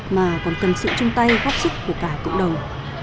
mà còn cần sự chung tay góp sức của cả cộng đồng